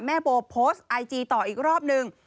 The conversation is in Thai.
แม่โบโพสต์ไอจีต่ออีกรอบนึง